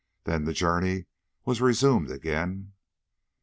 Then the journey was resumed again.